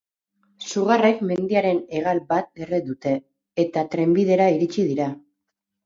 Sugarrek mendiaren hegal bat erre dute, eta trenbidera iritsi dira.